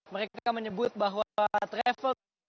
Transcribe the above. mereka menyebut bahwa travel